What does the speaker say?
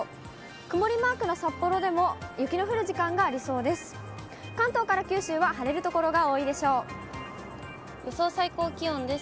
曇りマークの札幌でも、雪の降る時間がありそうです。